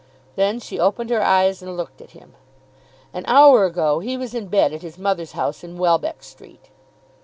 Then she opened her eyes and looked at him. "An hour ago he was in bed at his mother's house in Welbeck Street."